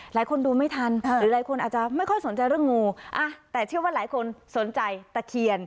หลายคนดูไม่ทันหรือหลายคนอาจจะไม่ค่อยสนใจเรื่องงูอ่ะแต่เชื่อว่าหลายคนสนใจตะเคียน